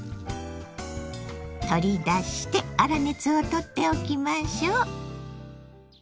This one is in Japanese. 取り出して粗熱をとっておきましょう。